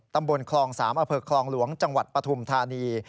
ตำบลคลอง๓อำเภอคลองหลวงจังหวัดปฐุมธานี